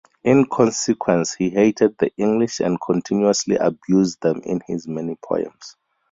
In consequence he hated the English and continuously abused them in his many poems.